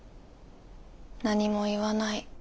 何も言わない。